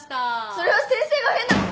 それは先生が変なこと。